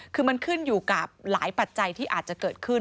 คือมันขึ้นอยู่กับหลายปัจจัยที่อาจจะเกิดขึ้น